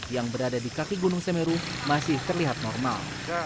yang berada di kaki gunung semeru masih terlihat normal